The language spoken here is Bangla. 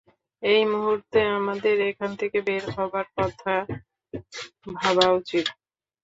এই মুহুর্তে আমাদের এখান থেকে বের হবার কথা ভাবা উচিত!